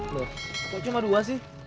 loh kok cuma dua sih